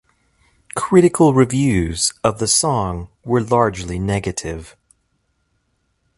Critical reviews of the song were largely negative.